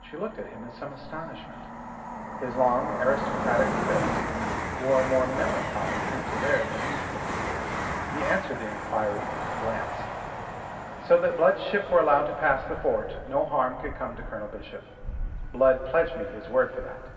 She looked at him in some astonishment. His long, aristocratic face wore a more melancholy, pensive air than usual. He answered the enquiry in her glance: "So that Blood's ship were allowed to pass the fort, no harm could come to Colonel Bishop. Blood pledged me his word for that."